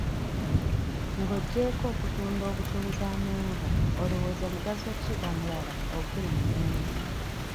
Ng'oggyeeko okutunda obutunzi amenvu olowooza mugaso ki omulala oguli mu menvu?